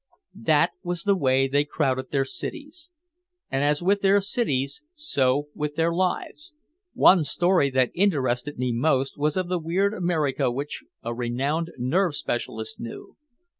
That was the way they crowded their cities, and as with their cities, so with their lives. One story that interested me most was of the weird America which a renowned nerve specialist knew.